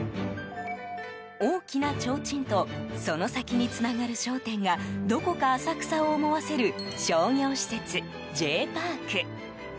大きなちょうちんとその先につながる商店がどこか浅草を思わせる商業施設、Ｊパーク。